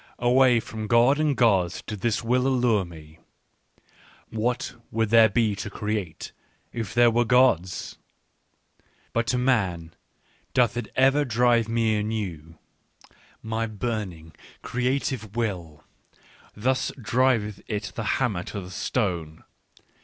" Away from God and gods did this will lure me : what would there be to create if there were gods? " But to man doth it ever drive me anew, my H Digitized by Google 114 ECCE HOMO burning, creative will. Thus driveth it the hammer to the stone.